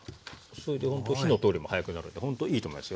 それでほんと火の通りも早くなるのでほんといいと思いますよ。